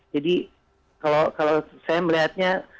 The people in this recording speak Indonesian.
jadi kalau saya melihatnya